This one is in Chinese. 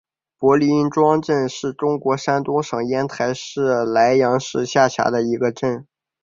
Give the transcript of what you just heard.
柏林庄镇是中国山东省烟台市莱阳市下辖的一个镇。